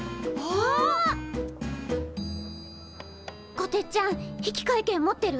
こてっちゃん引換券持ってる？